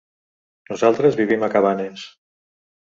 Nosaltres vivim a Cabanes.